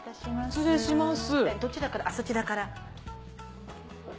失礼します。